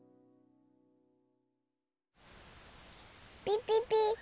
ピピピ。